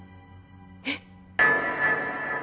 えっ！？